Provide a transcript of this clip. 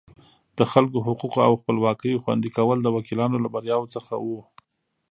د خلکو حقوقو او خپلواکیو خوندي کول د وکیلانو له بریاوو څخه وو.